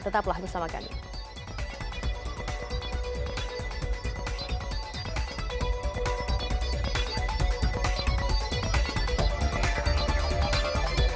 tetaplah bersama kami